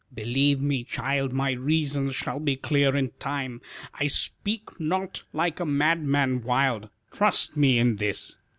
"Believe me, child, My reasons shall be clear in time, I speak not like a madman wild; Trust me in this."